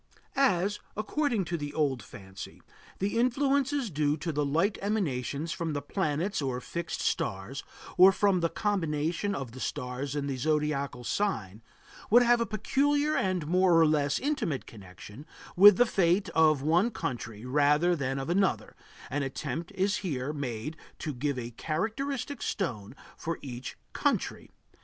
As, according to the old fancy, the influences due to the light emanations from the planets or fixed stars, or from the combination of the stars in a zodiacal sign, would have a peculiar and more or less intimate connection with the fate of one country rather than of another, an attempt is here made to give a characteristic stone for each country.